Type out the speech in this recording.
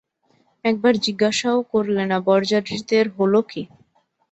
একবার জিজ্ঞাসাও করলে না, বরযাত্রীদের হল কী।